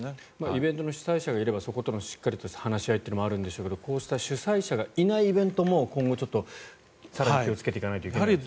イベントの主催者がいればそことのしっかりとした話し合いというのがあるんでしょうがこうした主催者がいないイベントも今後、ちょっと更に気をつけていかないといけない。